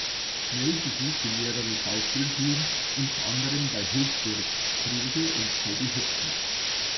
Schnell besuchte mehrere Schauspielschulen, unter anderem bei Hildburg Frese und Hedi Höpfner.